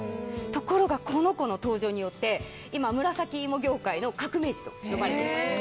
ところが、この子の登場によって今、紫芋業界の革命児と呼ばれていて。